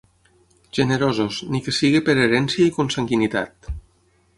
Generosos, ni que sigui per herència i consanguinitat.